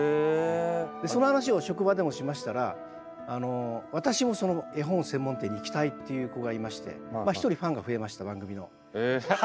その話を職場でもしましたら「私もその絵本専門店に行きたい」という子がいまして１人ファンが増えました番組の。